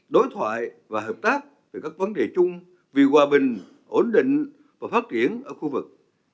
đối thoại và hợp tác về các vấn đề chung vì hòa bình ổn định và phát triển ở khu vực